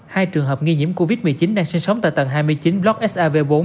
hai trường hợp nghi nhiễm covid một mươi chín đang sinh sống tại tầng hai mươi chín blog sav bốn